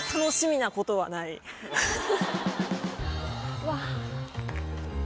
うわ。